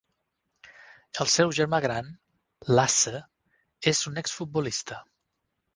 El seu germà gran, Lasse, és un exfutbolista.